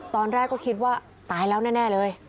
ตอนแรกก็คิดว่าตายแล้วแน่เลย